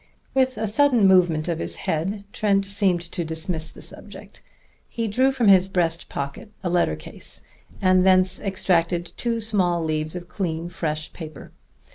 With a sudden movement of his head Trent seemed to dismiss the subject. He drew from his breast pocket a letter case, and thence extracted two small leaves of clean, fresh paper.